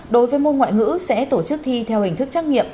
đối với môn ngoại ngữ sẽ tổ chức thi theo hình thức trắc nghiệm